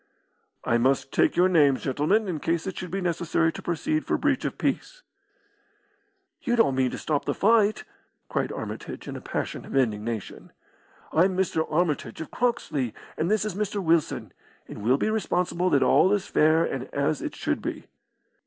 "I must take your names, gentlemen, in case it should be necessary to proceed for breach of peace." "You don't mean to stop the fight?" cried Armitage, in a passion of indignation. "I'm Mr. Armitage, of Croxley, and this is Mr. Wilson, and we'll be responsible that all is fair and as it should be."